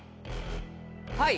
はい！